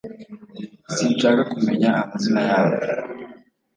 Sinshaka kumenya amazina yabo